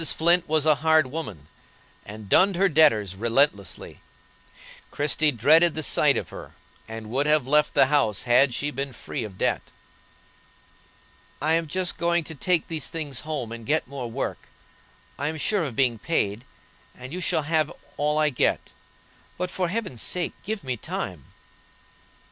Flint was a hard woman, and dunned her debtors relentlessly; Christie dreaded the sight of her, and would have left the house had she been free of debt. "I am just going to take these things home and get more work. I am sure of being paid, and you shall have all I get. But, for Heaven's sake, give me time."